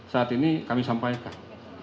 saat ini kami sampaikan